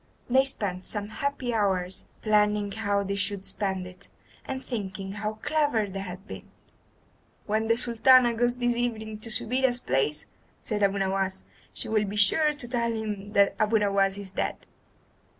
They spent some happy hours planning how they should spend it, and thinking how clever they had been. "When the Sultan goes this evening to Subida's palace," said Abu Nowas, "she will be sure to tell him that Abu Nowas is dead.